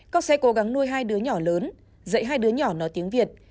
con sẽ cố gắng nuôi hai đứa nhỏ lớn dạy hai đứa nhỏ nói tiếng việt